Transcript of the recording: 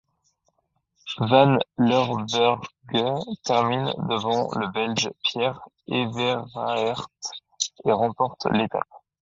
Van Lerberghe termine devant le Belge Pierre Everaerts et remporte l'étape.